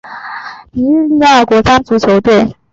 尼日利亚国家足球队